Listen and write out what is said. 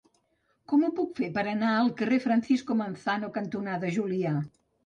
Com ho puc fer per anar al carrer Francisco Manzano cantonada Julià?